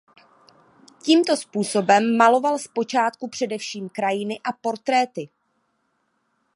Tímto způsobem maloval zpočátku především krajiny a portréty.